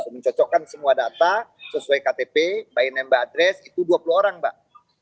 mencocokkan semua data sesuai ktp by namba address itu dua puluh orang mbak